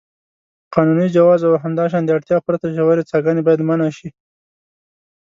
قانوني جواز او همداشان د اړتیا پرته ژورې څاګانې باید منع شي.